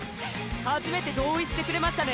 初めて同意してくれましたね。